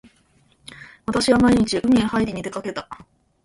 私は毎日海へはいりに出掛けた。